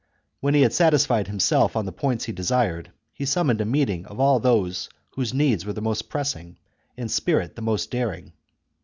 When he had satisfied himself on the points he desired, he summoned a meeting of all whose needs were the most pressing, and spirit the most daring.